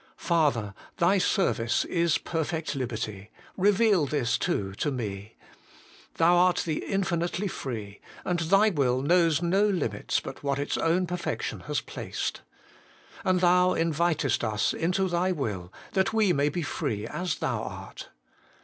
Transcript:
Father ! Thy service is perfect liberty : reveal this too to me. Thou art the infinitely Free, and Thy will knows no limits but what its own perfection has placed. And Thou invitest us into Thy will, that we may be free as Thou art.